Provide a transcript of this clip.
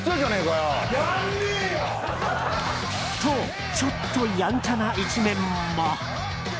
と、ちょっとやんちゃな一面も。